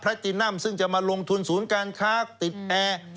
ตินัมซึ่งจะมาลงทุนศูนย์การค้าติดแอร์